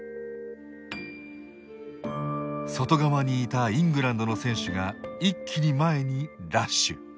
外側にいたイングランドの選手が一気に前にラッシュ。